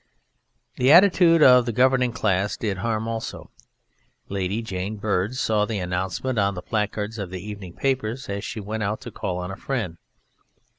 The attitude of the governing class did harm also. Lady Jane Bird saw the announcement on the placards of the evening papers as she went out to call on a friend.